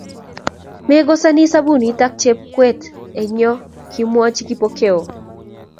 Mekosani sabunit ak chepkawet eng yo,, kimwochi Kipokeo